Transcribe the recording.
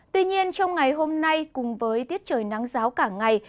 tuy nhiên trong ngày hôm nay cùng với tiết trời nắng giáo cả ngày